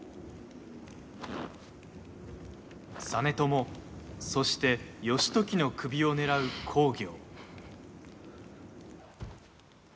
実朝、そして義時の首を狙う公暁。